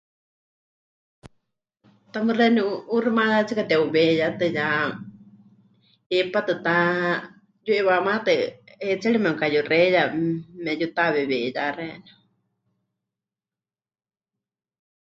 Tamɨ́ xeeníu 'uuximayátsika te'uweiyatɨ ya, hipátɨ ta yu'iwamátɨ heitserie memɨkayuxeiya, me... memɨyutaweweiyá xeeníu.